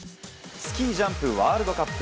スキージャンプワールドカップ。